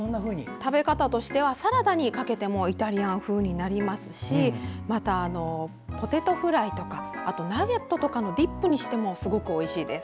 食べ方としてはサラダにかけてもイタリアン風になりますしまた、ポテトフライとかナゲットとかのディップにしてもすごくおいしいです。